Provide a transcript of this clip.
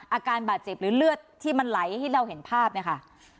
อาการบาดเจ็บหรือเลือดที่มันไหลที่เราเห็นภาพเนี่ยค่ะ